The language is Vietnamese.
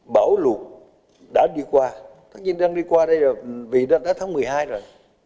bão lụt đã đi qua thật ra đang đi qua đây là vì đã tháng một mươi hai rồi